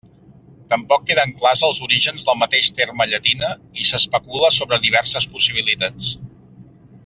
Tampoc queden clars els orígens del mateix terme llatina i s'especula sobre diverses possibilitats.